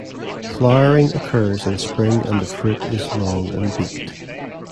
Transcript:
Flowering occurs in spring and the fruit is long and beaked.